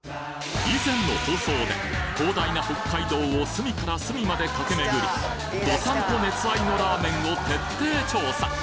以前の放送で広大な北海道を隅から隅まで駆け巡り道産子熱愛のラーメンを徹底調査！